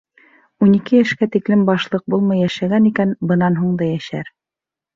Ун ике йәшкә тиклем башлыҡ булмай йәшәгән икән, бынан һуң да йәшәр.